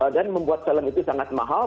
dan membuat film itu sangat mahal